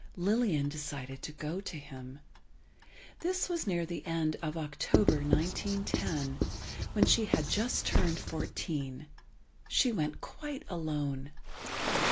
Lillian decided to go to him. This was near the end of October, 1910, when she had just turned fourteen. She went quite alone.